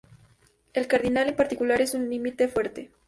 El cardinal en particular es un límite fuerte.